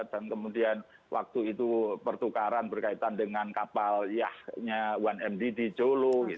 dan kemudian waktu itu pertukaran berkaitan dengan kapalnya satu md di jolo